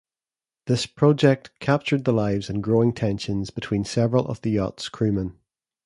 This project captured the lives and growing tensions between several of the yacht's crewmen.